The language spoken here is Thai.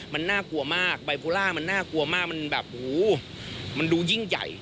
มันน่ากลัวมากไบโพล่ามันน่ากลัวมากมันแบบหูมันดูยิ่งใหญ่